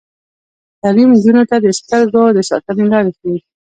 تعلیم نجونو ته د سترګو د ساتنې لارې ښيي.